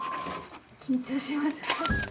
緊張します？